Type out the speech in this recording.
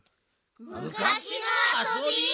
むかしのあそび？